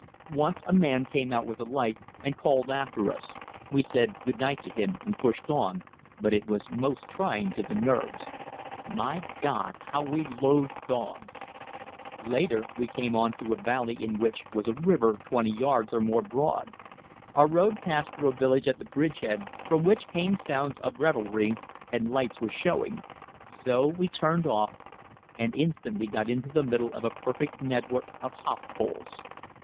Once a man came out with a light and called after us; we said "good night" to him and pushed on, but it was most trying to the nerves. My God, how we loathed dogs! Later we came on a valley in which was a river 20 yards, or more broad. Our road passed through a village at a bridge head, from which came sounds of revelry and lights were showing; so we turned off, and instantly got into the middle of a perfect network of hop poles.